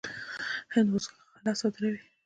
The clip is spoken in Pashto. هند اوس غله صادروي.